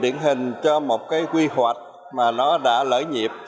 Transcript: điển hình cho một cái quy hoạch mà nó đã lỡ nhịp